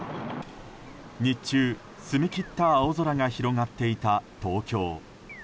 日中、澄み切った青空が広がっていた東京。